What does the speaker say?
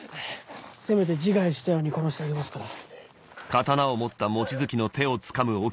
せめて自害したように殺してあげますから。